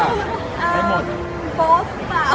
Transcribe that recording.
แวะภูเช้ามันคือก็เหมือนกัน